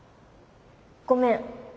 ごめん。